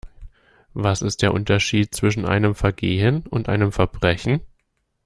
Was ist der Unterschied zwischen einem Vergehen und einem Verbrechen?